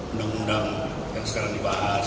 undang undang yang sekarang dibahas